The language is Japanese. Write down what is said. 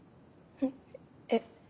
えっ。